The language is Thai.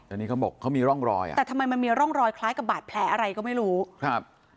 อันนี้เขาบอกเขามีร่องรอยอ่ะแต่ทำไมมันมีร่องรอยคล้ายกับบาดแผลอะไรก็ไม่รู้ครับ